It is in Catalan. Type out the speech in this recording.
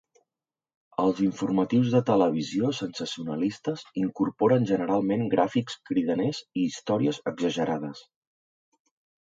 Els informatius de televisió sensacionalistes incorporen generalment gràfics cridaners i històries exagerades.